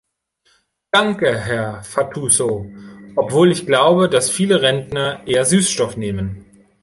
Danke, Herr Fatuzzo, obwohl ich glaube, dass viele Rentner eher Süßstoff nehmen.